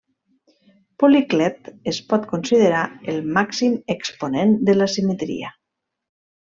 Policlet es pot considerar el màxim exponent de la simetria.